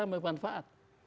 itu bisa bermanfaat